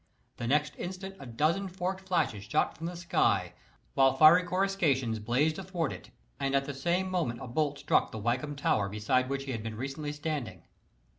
The next instant a dozen forked flashes shot from the sky, while fiery coruscations blazed athwart it; and at the same moment a bolt struck the Wykeham Tower, beside which he had been recently standing.